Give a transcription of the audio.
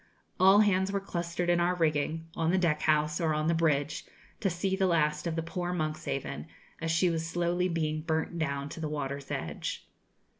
All hands were clustered in our rigging, on the deck house or on the bridge, to see the last of the poor 'Monkshaven,' as she was slowly being burnt down to the water's edge.